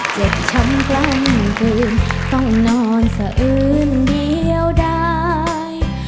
เจ็บช้ำกล้างเจือนต้องนอนเสียอื่นเดียวได้